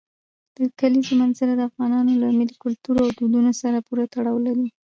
د کلیزو منظره د افغانانو له ملي کلتور او دودونو سره پوره تړاو لري.